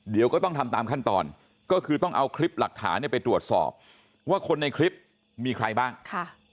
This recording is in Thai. เดี๋ยวก็ต้องทำตามขั้นตอนก็คือต้องเอาคลิปหลักฐานเนี่ยไปตรวจสอบว่าคนในคลิปมีใครบ้างค่ะ